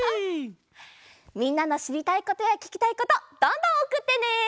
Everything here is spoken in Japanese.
みんなのしりたいことやききたいことどんどんおくってね！